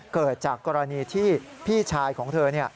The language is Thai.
เกิดจากกรณีที่พี่ชายของเธอ